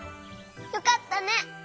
よかったね！